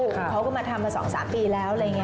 เขาก็มาทำมา๒๓ปีแล้วอะไรอย่างนี้